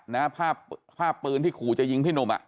นะภาพภาพปืนที่ขู่จะยิงพี่หนุ่มอ่ะ